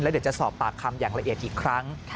เดี๋ยวจะสอบปากคำอย่างละเอียดอีกครั้ง